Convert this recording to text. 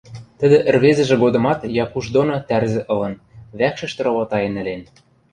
Тӹдӹ ӹрвезӹжӹ годымат Якуш доны тӓрзӹ ылын, вӓкшӹштӹ ровотаен ӹлен.